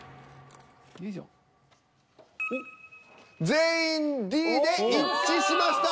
全員Ｄで一致しました。